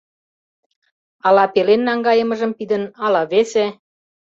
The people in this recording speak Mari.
Ала пелен наҥгайымыжым пидын, ала весе.